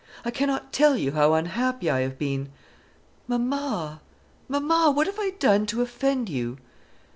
I cannot tell you how unhappy I have been. Mamma, mamma! what have I done to offend you?"